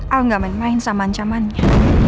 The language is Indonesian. aku gak main main sama ancamannya